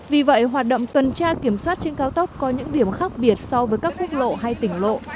vì vậy hoạt động tuần tra kiểm soát trên cao tốc có những điểm khác biệt so với các quốc lộ hay tỉnh lộ